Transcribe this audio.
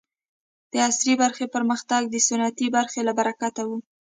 د عصري برخې پرمختګ د سنتي برخې له برکته و.